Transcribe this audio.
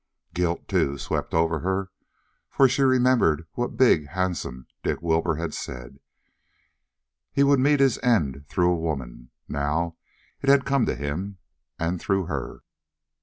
Guilt, too, swept over her, for she remembered what big, handsome Dick Wilbur had said: He would meet his end through a woman. Now it had come to him, and through her.